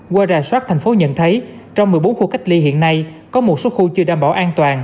qua rà soát thành phố nhận thấy trong một mươi bốn khu cách ly hiện nay có một số khu chưa đảm bảo an toàn